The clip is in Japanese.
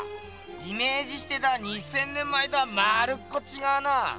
イメージしてた２，０００年前とはまるっこちがうな！